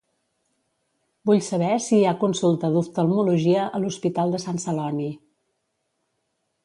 Vull saber si hi ha consulta d'oftalmologia a l'hospital de Sant Celoni.